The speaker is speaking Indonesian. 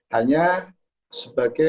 hanya sebagai proses penyelidikan